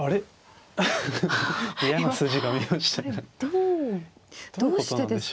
どうどうしてですか。